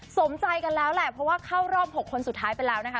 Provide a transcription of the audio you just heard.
สมใจกันแล้วแหละเพราะว่าเข้ารอบ๖คนสุดท้ายไปแล้วนะคะ